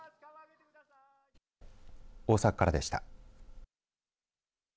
大阪からでした。